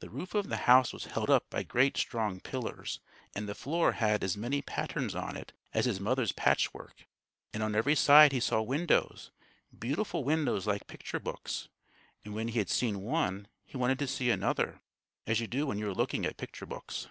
The roof of the house was held up by great strong pillars, and the floor had as many patterns on it as his mother's patchwork; and on every side he saw windows, beautiful windows like picture books, and when he had seen one, he wanted to see another, as you do when you are looking at picture books.